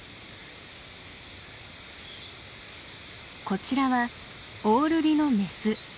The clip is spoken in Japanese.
こちらはオオルリのメス。